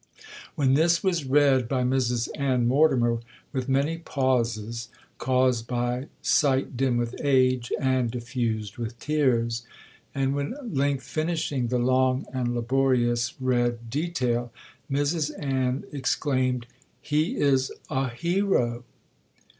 When this was read by Mrs Ann Mortimer, with many pauses, caused by sight dim with age, and diffused with tears,—and when at length, finishing the long and laborious read detail, Mrs Ann exclaimed—'He is a hero!'